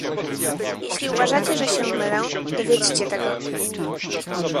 Jeśli uważacie, że się mylę, dowiedźcie tego